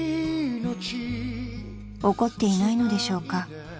［怒っていないのでしょうか？］